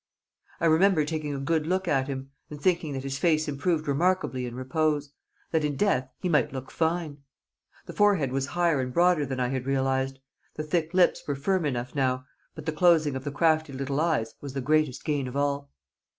I remember taking a good look at him, and thinking that his face improved remarkably in repose, that in death he might look fine. The forehead was higher and broader than I had realised, the thick lips were firm enough now, but the closing of the crafty little eyes was the greatest gain of all.